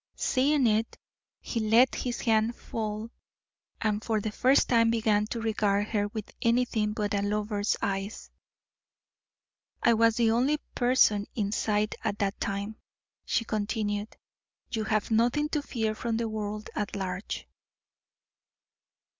Seeing it, he let his hand fall and for the first time began to regard her with anything but a lover's eyes. "I was the only person in sight at that time," she continued. "You have nothing to fear from the world at large."